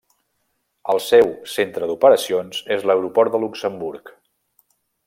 El seu centre d'operacions és l'aeroport de Luxemburg.